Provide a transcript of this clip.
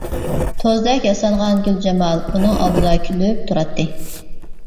توزدەك ياسانغان گۈلجامال ئۇنىڭ ئالدىدا كۈلۈپ تۇراتتى.